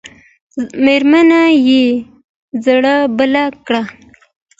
مېرمنې یې زړه بلل کېږي .